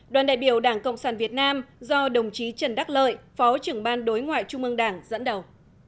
đoàn đại biểu đảng cộng sản việt nam do đồng chí trần đắc lợi phó trưởng ban đối ngoại trung ương đảng dẫn đầu